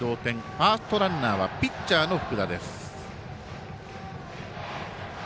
ファーストランナーはピッチャーの福田です。